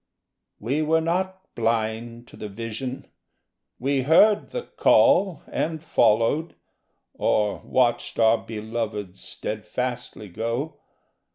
We were not blind to the vision. We heard the call And followed, or watched our belovèd steadfastly go.